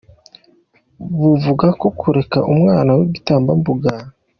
buvuga ko kureka umwana w'igitambambuga